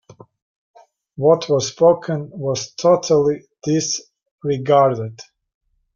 What was spoken was totally disregarded.